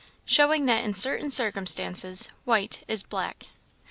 Showing that in certain circumstances white is black.